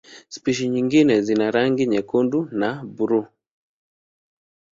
Spishi nyingine zina rangi nyekundu na buluu.